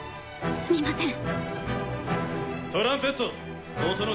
すみません！